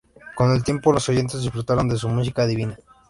Con el tiempo los oyentes disfrutaron de su música divina.